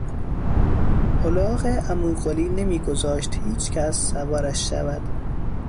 الاغ عمو قلی نمیگذاشت هیچکس سوارش شود.